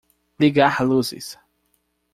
Ligar luzes.